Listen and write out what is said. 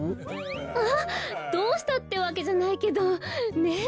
あっどうしたってわけじゃないけどねえ！